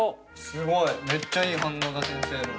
すごいめっちゃいい反応だ先生の。